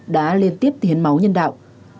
đã liên tiếp hiến máu nhân đạo